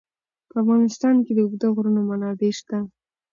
په افغانستان کې د اوږده غرونه منابع شته.